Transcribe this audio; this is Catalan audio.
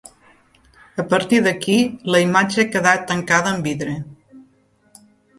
A partir d'aquí la imatge quedà tancada amb vidre.